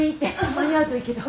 間に合うといいけど。